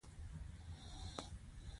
چې په هره پلمه کېدلای شي مولنا هلته وساتي.